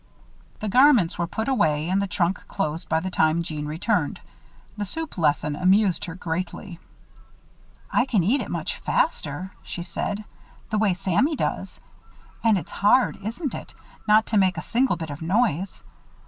The garments were put away and the trunk closed by the time Jeanne returned. The soup lesson amused her greatly. "I can eat it much faster," she said, "the way Sammy does. And it's hard, isn't it, not to make a single bit of noise!